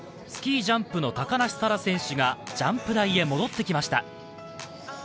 スキージャンプの高梨沙羅選手がジャンプ台へ戻ってきました。